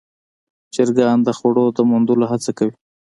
چرګان د خوړو د موندلو هڅه کوي.